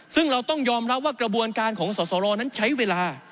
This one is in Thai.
ซึ่งเราต้องยอมรับว่ากระบวนการของสอสรนั้นใช้เวลา